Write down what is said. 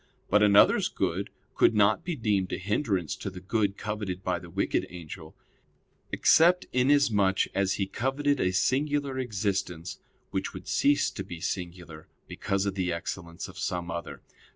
But another's good could not be deemed a hindrance to the good coveted by the wicked angel, except inasmuch as he coveted a singular excellence, which would cease to be singular because of the excellence of some other.